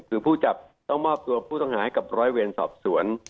คือผู้จับต้องมอบตัวผู้ต้องหาให้กับร้อยเวรสอบสวน